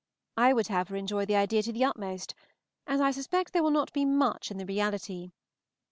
I would have her enjoy the idea to the utmost, as I suspect there will not be much in the reality.